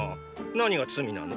何が罪なの？